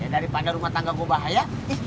daripada rumah tangga gue bahaya